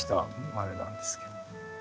あれなんですけど。